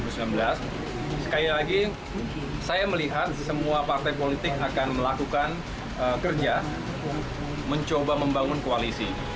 sekali lagi saya melihat semua partai politik akan melakukan kerja mencoba membangun koalisi